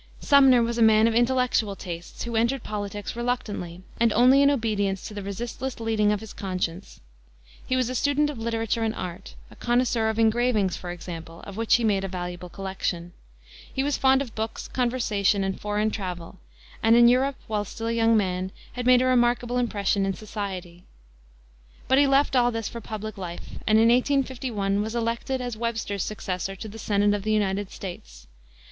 Sumner was a man of intellectual tastes, who entered politics reluctantly, and only in obedience to the resistless leading of his conscience. He was a student of literature and art; a connoisseur of engravings, for example, of which he made a valuable collection. He was fond of books, conversation, and foreign travel, and in Europe, while still a young man, had made a remarkable impression in society. But he left all this for public life, and in 1851 was elected, as Webster's successor, to the Senate of the United States.